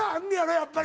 やっぱり。